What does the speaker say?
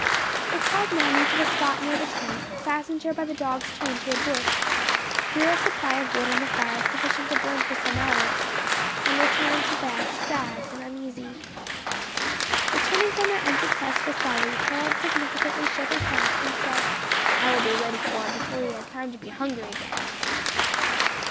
They called Nanny to a spot near the tent, fastened her by the dog's chain to a bush, threw a supply of wood on the fire sufficient to burn for some hours, and retired to bed sad and uneasy. Returning from their unsuccessful sally, Harold significantly shook his head, and said, "I will be ready for him before he has time to be hungry again."